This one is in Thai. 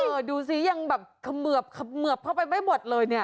ดูสิยังแบบเขมือบเขมือบเข้าไปไม่หมดเลยเนี่ย